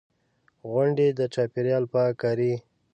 غونډې، د چاپېریال پاک کاري.